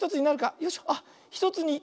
よいしょあっ１つに。